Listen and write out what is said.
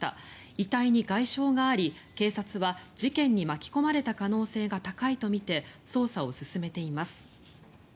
遺体に外傷があり警察は、事件に巻き込まれた可能性が高いとみて捜査を進めています。